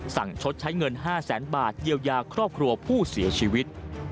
ชดใช้เงิน๕แสนบาทเยียวยาครอบครัวผู้เสียชีวิต